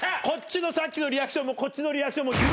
こっちのさっきのリアクションもこっちのリアクションも。